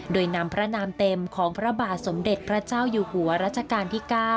โดยนำพระนามเต็มของพระบาทสมเด็จพระเจ้าอยู่หัวรัชกาลที่๙